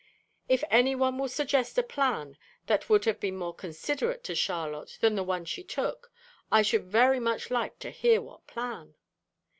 If any one will suggest a plan that would have been more considerate to Charlotte than the one she took, I should very much like to hear what plan?